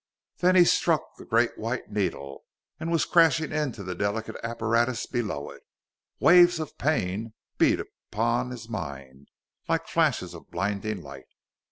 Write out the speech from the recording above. Then he had struck the great white needle, and was crashing into the delicate apparatus below it. Waves of pain beat upon his mind like flashes of blinding light.